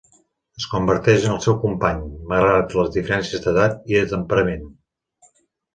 Es converteix en el seu company, malgrat les diferències d'edat i de temperament.